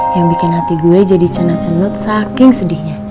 yang bikin hati gue jadi cenet cenut saking sedihnya